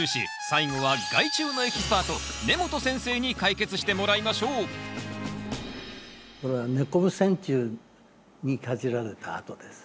最後は害虫のエキスパート根本先生に解決してもらいましょうこれはネコブセンチュウにかじられた跡です。